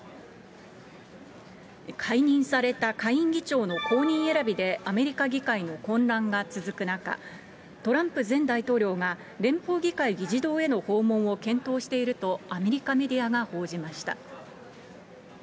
解任された下院議長の後任選びで、アメリカ議会の混乱が続く中、トランプ前大統領が連邦議会議事堂への訪問を検討しているとアメリカメディアが報じました。